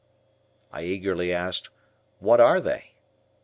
I eagerly asked, "What are they?"